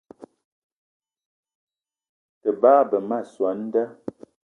Te bagbe ma soo an da